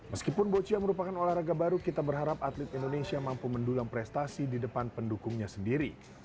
meskipun boccia merupakan olahraga baru kita berharap atlet indonesia mampu mendulang prestasi di depan pendukungnya sendiri